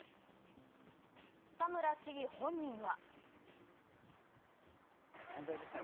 田村市議本人は。